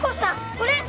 これ！